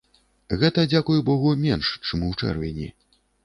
Гэта, дзякуй богу, менш чым ў чэрвені.